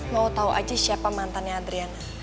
mau tahu aja siapa mantannya adriana